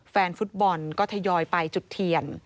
แฟนฟุตบอลก็ทยอยไปจุดเทียน